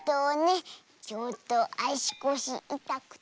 ちょっとあしこしいたくてねえ。